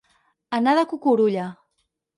Anar de cucurulla.